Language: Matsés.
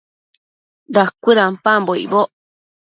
Dacuëdampambo icboc